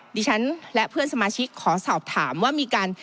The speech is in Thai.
ดิฉันและเพื่อนสมาชิกขอสอบถามว่ามีการ